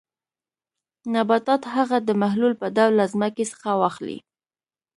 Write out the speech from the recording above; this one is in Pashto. نباتات هغه د محلول په ډول له ځمکې څخه واخلي.